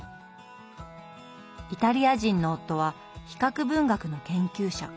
イタリア人の夫は比較文学の研究者。